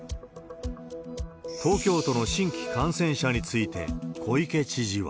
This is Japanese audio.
東京都の新規感染者について、小池知事は。